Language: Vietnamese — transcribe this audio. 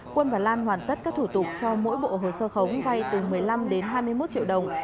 quân và lan hoàn tất các thủ tục cho mỗi bộ hồ sơ khống vay từ một mươi năm đến hai mươi một triệu đồng